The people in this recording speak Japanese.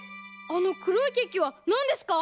あのくろいケーキはなんですか？